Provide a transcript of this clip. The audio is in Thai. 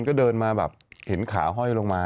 เออคนก็เดินมาเห็นขาห้อยลงมา